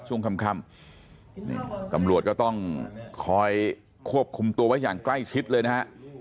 ช่วงค่ำนี่ตำรวจก็ต้องคอยควบคุมตัวไว้อย่างใกล้ชิดเลยนะฮะ